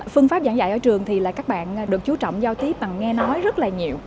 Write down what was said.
phương pháp giảng dạy ở trường thì là các bạn được chú trọng giao tiếp bằng nghe nói rất là nhiều